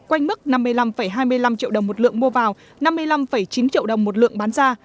quanh mức năm mươi năm hai mươi năm triệu đồng một lượng mua vào năm mươi năm chín triệu đồng một lượng bán ra